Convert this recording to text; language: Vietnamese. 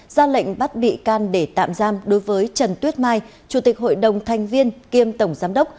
ra lệnh bắt bị can để tạm giam đối với trần tuyết mai chủ tịch hội đồng thanh viên kiêm tổng giám đốc